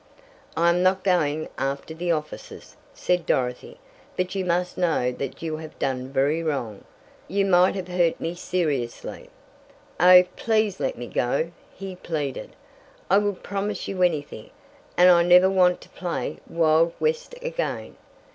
"I am not going after the officers," said Dorothy, "but you must know that you have done very wrong you might have hurt me seriously." "Oh, please let me go!" he pleaded. "I will promise you anything, and I never want to play Wild West again!"